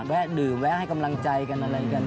แวะดื่มแวะให้กำลังใจกันอะไรกัน